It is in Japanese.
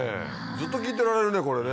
ずっと聞いてられるねこれね。